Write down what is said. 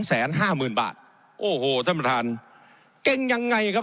แสนห้าหมื่นบาทโอ้โหท่านประธานเก่งยังไงครับ